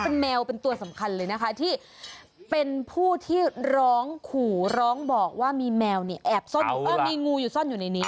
เป็นแมวเป็นตัวสำคัญเลยนะคะที่เป็นผู้ที่ร้องขู่ร้องบอกว่ามีแมวเนี่ยแอบซ่อนอยู่เออมีงูอยู่ซ่อนอยู่ในนี้